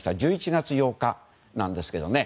１１月８日なんですけどね。